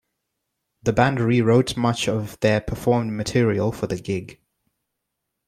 The band rewrote much of their performed material for the gig.